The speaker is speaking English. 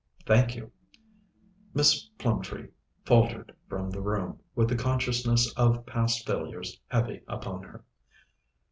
"Thank you." Miss Plumtree faltered from the room, with the consciousness of past failures heavy upon her.